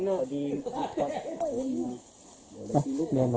สวัสดีครับ